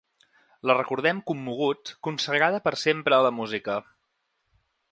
La recordem, commoguts, consagrada per sempre a la música.